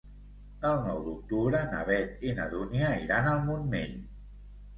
El nou d'octubre na Beth i na Dúnia iran al Montmell.